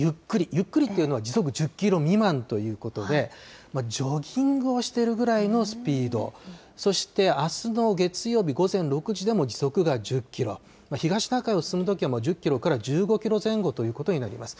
ゆっくりというのは時速１０キロ未満ということで、ジョギングをしてるぐらいのスピード、そしてあすの月曜日午前６時でも時速が１０キロ、東シナ海を進むときは、１０キロから１５キロ前後ということになります。